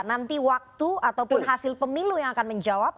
nanti waktu ataupun hasil pemilu yang akan menjawab